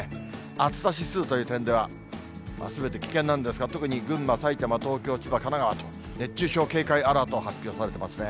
暑さ指数という点では、すべて危険なんですが、特に群馬、埼玉、東京、千葉、神奈川と、熱中症警戒アラート発表されていますね。